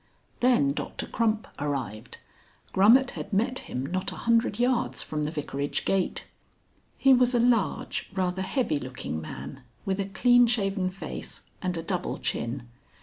XIII. Then Doctor Crump arrived. Grummet had met him not a hundred yards from the vicarage gate. He was a large, rather heavy looking man, with a clean shaven face and a double chin.